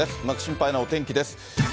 まず心配なお天気です。